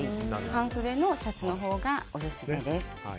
半袖のシャツのほうがオススメです。